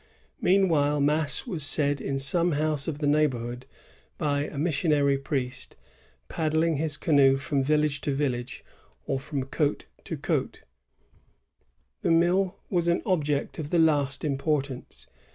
^ Meanwhile mass was said in some house of the neighborhood by a missionary priest, paddling his canoe from village to village, or from cdte to cdte. The mill was an object of the last importance.